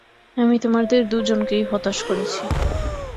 আমি তোমাদের দুজনকেই হতাশ করেছি।